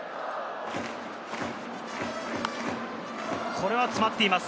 これは詰まっています。